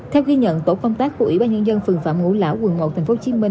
theo ghi nhận tổ công tác của ủy ban nhân dân phường phạm ngũ lão quận một tp hcm